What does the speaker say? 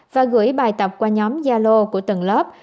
và gửi bài tập qua nhóm gia lô của tầng lớp